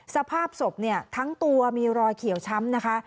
สภาพศพเนี่ยทั้งตัวมีรอยเขียวช้ำนะคะ